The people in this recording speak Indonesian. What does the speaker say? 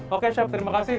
oke chef terima kasih